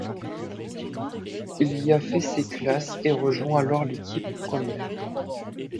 Il y a fait ses classes et rejoint alors l'équipe première.